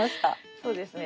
そうですね。